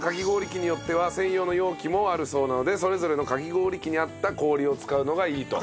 器によっては専用の容器もあるそうなのでそれぞれのかき氷器にあった氷を使うのがいいと。